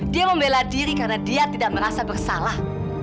dia membela diri karena dia tidak merasa bersalah